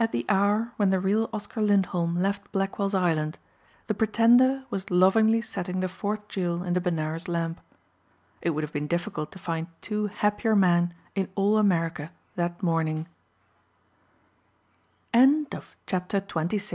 At the hour when the real Oscar Lindholm left Blackwells Island the pretender was lovingly setting the fourth jewel in the Benares lamp. It would have been difficult to find two happier men in all America that morning. CHAPTER XXVII MRS.